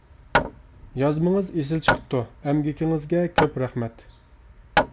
يازمىڭىز ئېسىل چىقىپتۇ، ئەمگىكىڭىزگە كۆپ رەھمەت!